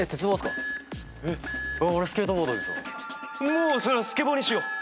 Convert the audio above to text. もうそれはスケボーにしよう。